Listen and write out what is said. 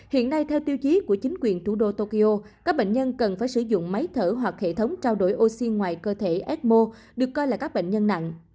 hiện nay theo tiêu chí của chính quyền thủ đô tokyo các bệnh nhân cần phải sử dụng máy thở hoặc hệ thống trao đổi oxy ngoài cơ thể ecmo được coi là các bệnh nhân nặng